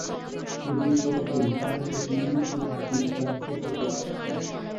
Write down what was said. যদি চলতেন তা হলে তিনিই ঠিক দৃষ্টান্ত হতে পারতেন।